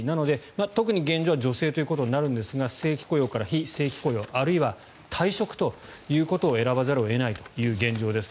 特に女性ということになるんですが正規雇用から非正規雇用あるいは、退職ということを選ばざるを得ないという状況。